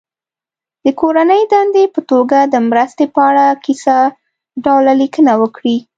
د کورنۍ دندې په توګه د مرستې په اړه کیسه ډوله لیکنه وکړي.